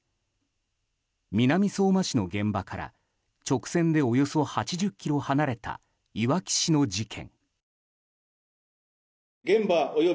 南相馬市の現場から直線でおよそ８０ｋｍ離れたいわき市の事件。